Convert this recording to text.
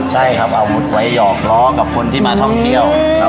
ใช่ครับอาวุธไว้หยอกล้อกับคนที่มาท่องเที่ยวครับ